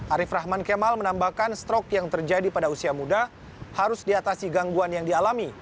arief rahman kemal menambahkan strok yang terjadi pada usia muda harus diatasi gangguan yang dialami